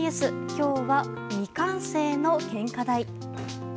今日は、未完成の献花台。